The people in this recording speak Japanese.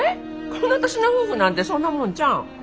この年の夫婦なんてそんなもんちゃうん？